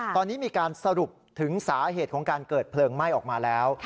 ตอนนี้มีการสรุปถึงสาเหตุของการเกิดเพลิงไหม้ออกมาแล้ว